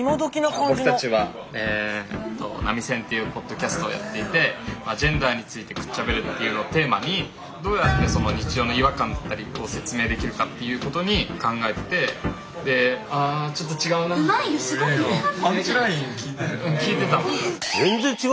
僕たちはナミセンっていうポッドキャストをやっていてジェンダーについてくっちゃべるっていうのをテーマにどうやってその日常の違和感だったりを説明できるかっていうことに考えててで餃子屋さん。